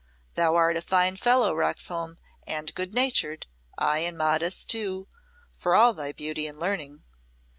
Thou art a fine fellow, Roxholm and good natured ay, and modest, too for all thy beauty and learning.